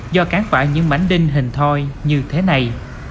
do cán quả những bánh đinh hình thoi như thế này